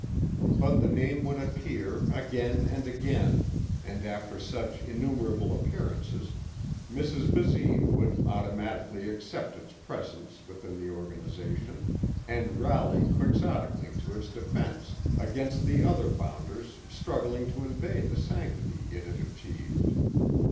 But the name would appear again and again and after such innumerable appearances Mrs. Basine would automatically accept its presence within the Organization and rally quixotically to its defense against the other bounders struggling to invade the sanctity it had achieved.